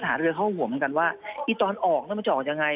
ทหารเรือเขาห่วงเหมือนกันว่าตอนออกมันจะออกอย่างไร